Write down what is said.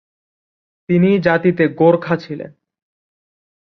তিনি জাতিতে গোর্খা ছিলেন।